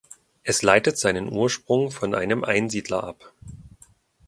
Es leitet seinen Ursprung von einem Einsiedler ab.